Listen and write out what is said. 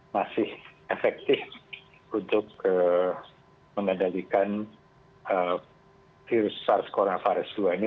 masih efektif untuk mengendalikan virus sars cov dua ini